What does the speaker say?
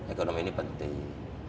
ekonomi ini penting